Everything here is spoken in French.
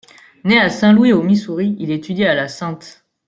Né à Saint-Louis au Missouri, il étudie à la St.